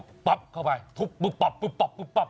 เคล็ดลับวิชานี่คือนี่ไงถ่ายทอดพลังวิทยายุทธ์เข้าสู่เนื้อไก่ครับ